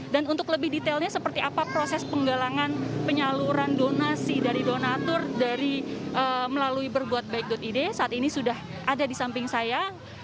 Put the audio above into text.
dan untuk lebih detailnya seperti apa proses penggalangan penyaluran donasi dari donatur dari melalui berbuatbaik id saat ini sudah ada di samping saya